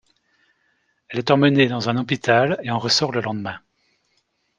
Elle est emmenée dans un hôpital et en ressort le lendemain.